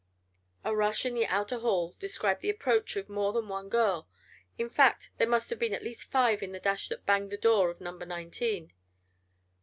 A rush in the outer hall described the approach of more than one girl. In fact there must have been at least five in the dash that banged the door of Number Nineteen.